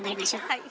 はい。